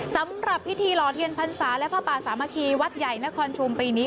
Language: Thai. สำหรับพิธีหล่อเทียนพรรษาและผ้าป่าสามัคคีวัดใหญ่นครชุมปีนี้